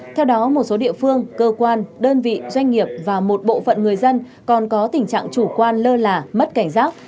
theo đó một số địa phương cơ quan đơn vị doanh nghiệp và một bộ phận người dân còn có tình trạng chủ quan lơ là mất cảnh giác